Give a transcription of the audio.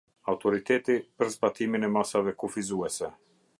Autoriteti për zbatimin e masave kufizuese.